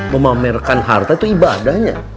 memamerkan harta itu ibadahnya